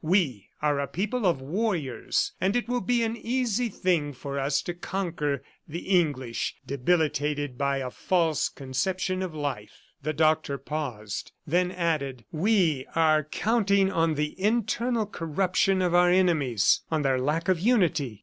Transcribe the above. We are a people of warriors, and it will be an easy thing for us to conquer the English, debilitated by a false conception of life." The Doctor paused and then added: "We are counting on the internal corruption of our enemies, on their lack of unity.